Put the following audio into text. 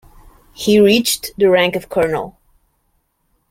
He reached the rank of colonel.